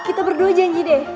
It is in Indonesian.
kita berdua janji deh